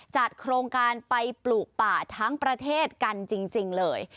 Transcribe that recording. จัดโครงการไปปลูกป่าทั้งประเทศกันจริงเลย